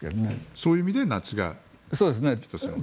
そういう意味で夏が１つの。